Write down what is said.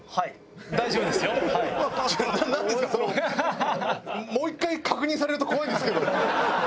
そのもう１回確認されると怖いんですけど。